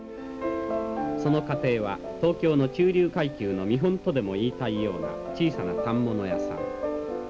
その家庭は東京の中流階級の見本とでも言いたいような小さな反物屋さん